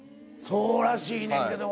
そうらしいねんけど。